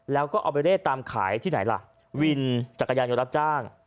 แล้วก็เอาไปเร่ตามขายที่ไหนล่ะวินจักรยานยนต์รับจ้าง